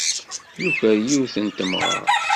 Yuker yiwet n temɣart.